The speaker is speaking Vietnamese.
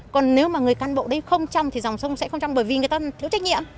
còn nếu mà người cán bộ đấy không trong thì dòng sông sẽ không trong bởi vì người ta thiếu trách nhiệm